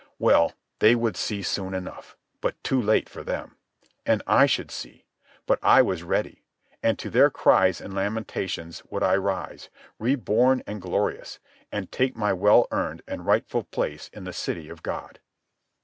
Well, they would see soon enough, but too late for them. And I should see. But I was ready. And to their cries and lamentations would I arise, reborn and glorious, and take my well earned and rightful place in the City of God.